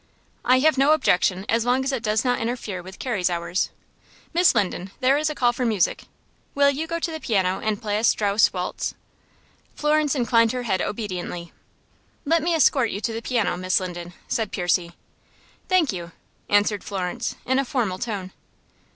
"I have no objection, as long as it does not interfere with Carrie's hours. Miss Linden, there is a call for music. Will you go to the piano and play a Stauss waltz?" Florence inclined her head obediently. "Let me escort you to the piano, Miss Linden," said Percy. "Thank you," answered Florence, in a formal tone.